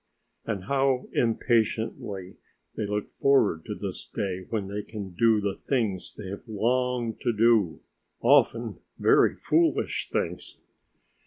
And how impatiently they look forward to this day when they can do the things they have longed to do, ... often very foolish things.